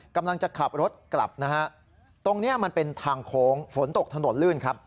กำลังจะขับรถกลับนะฮะตรงนี้มันเป็นทางโค้งฝนตกถนนลื่นครับ